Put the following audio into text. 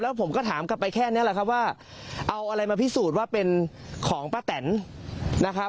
แล้วผมก็ถามกลับไปแค่นี้แหละครับว่าเอาอะไรมาพิสูจน์ว่าเป็นของป้าแตนนะครับ